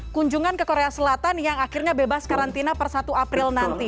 kunjungan ke korea selatan yang akhirnya bebas karantina per satu april nanti